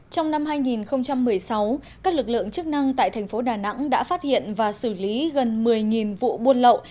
trong năm hai nghìn một mươi sáu các lực lượng chức năng tại thành phố đà nẵng đã phát hiện và xử lý gần một mươi vụ buôn lậu